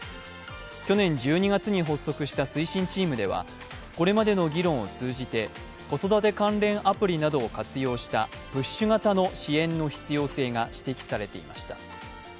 去年１２月に発足した推進チームではこれまでの議論を通じて子育て関連アプリ等を活用したプッシュ型の支援の必要性が指摘されていました。